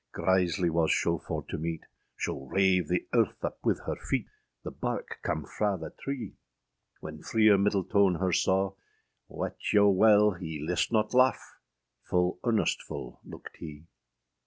Grizely was scho for to meete, Scho rave the earthe up wyth her feete, The barke cam fraâ the tree: When Freer Myddeltone her saugh, Wete yow wele hee list not laugh, Full earnestful luikâd hee.